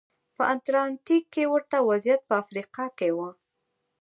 په اتلانتیک کې ورته وضعیت په افریقا کې و.